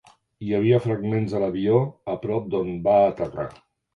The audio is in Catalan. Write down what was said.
Hi havia fragments de l'avió a prop d'on va aterrar.